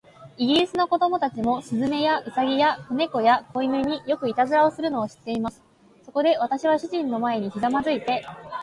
イギリスの子供たちも、雀や、兎や、小猫や、小犬に、よくいたずらをするのを知っています。そこで、私は主人の前にひざまずいて